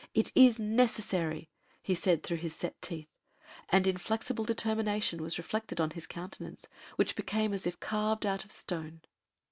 "It is necessary!" he said through his set teeth, and inflexible determination was reflected on his countenance, which became as if carved out of stone.